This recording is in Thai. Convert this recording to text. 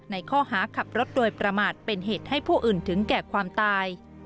ในข้อหาขับรถโดยประมาทเป็นเหตุให้ผู้อื่นถึงแก่ความตาย